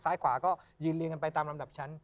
ซ้ายขวาก็ยืนลือกันไปตามลำดับชั้น